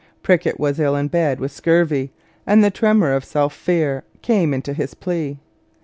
Prickett was ill in bed with scurvy, and the tremor of self fear came into his plea.